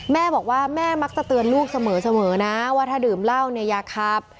แม่บอกว่าแม่มักจะเตือนลูกเสมอนะว่าถ้าดื่มเหล้าเนี่ยอย่าขับ